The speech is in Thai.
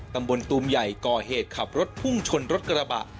ตูมใหญ่ก่อเหตุขับรถพุ่งชนรถกระบะ